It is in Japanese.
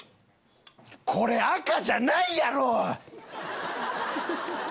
これ赤じゃないやろ！